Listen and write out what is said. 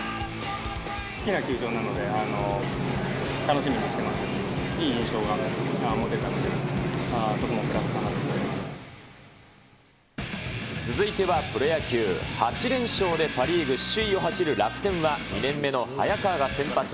好きな球場なので、楽しみにしていましたし、いい印象が持てたので、続いてはプロ野球、８連勝でパ・リーグ首位を走る楽天は、２年目の早川が先発。